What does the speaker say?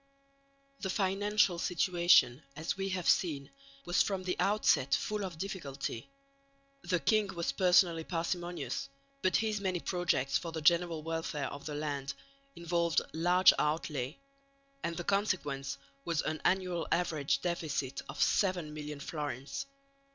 The financial situation, as we have seen, was from the outset full of difficulty. The king was personally parsimonious, but his many projects for the general welfare of the land involved large outlay, and the consequence was an annual average deficit of seven million florins.